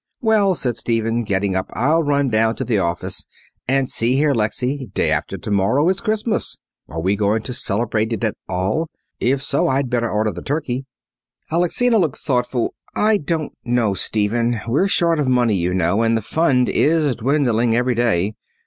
"Well," said Stephen, getting up, "I'll run down to the office. And see here, Lexy. Day after tomorrow is Christmas. Are we going to celebrate it at all? If so I'd better order the turkey." Alexina looked thoughtful. "I don't know, Stephen. We're short of money, you know, and the fund is dwindling every day.